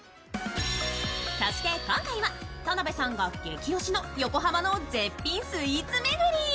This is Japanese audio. そして今回は、田辺さんが激推しの横浜の絶品スイーツ巡り。